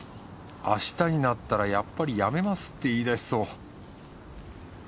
明日になったらやっぱりやめますって言いだしそう。